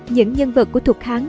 những nhân vật của thục hán